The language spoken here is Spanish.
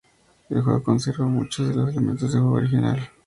El juego conserva muchos de los elementos del juego original.